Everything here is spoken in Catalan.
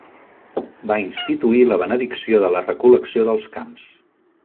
Va instituir la benedicció de la recol·lecció dels camps.